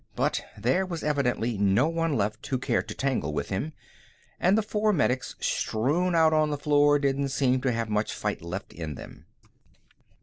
But there was evidently no one left who cared to tangle with him, and the four medics strewn out on the floor didn't seem to have much fight left in them.